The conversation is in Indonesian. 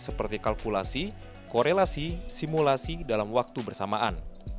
seperti kalkulasi korelasi simulasi dalam waktu bersamaan